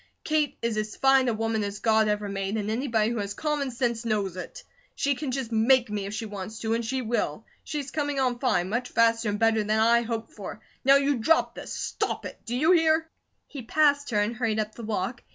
Kate is as fine a woman as God ever made, and anybody who has common sense knows it. She can just MAKE me, if she wants to, and she will; she's coming on fine, much faster and better than I hoped for. Now you drop this! Stop it! Do you hear?" He passed her and hurried up the walk.